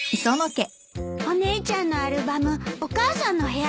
お姉ちゃんのアルバムお母さんの部屋にないの？